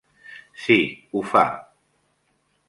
Sí, ho fa.